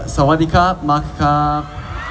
สวัสดีครับมาร์คครับ